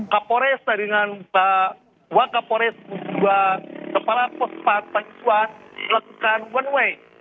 kapolres dari dengan wak kapolres ke dua kepala pospat tangguhan melakukan one way